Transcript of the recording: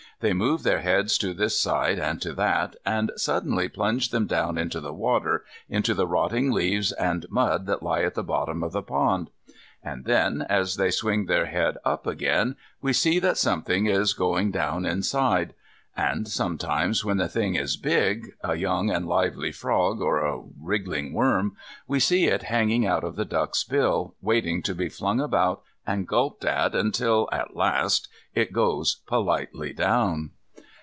They move their heads to this side and to that, and suddenly plunge them down into the water, into the rotting leaves and mud that lie at the bottom of the pond. And then, as they swing their head up again, we see that something is going down inside. And sometimes when the thing is big, a young and lively frog, or a wriggling worm, we see it hanging out of the duck's bill, waiting to be flung about, and gulped at, until, at last, it goes politely down.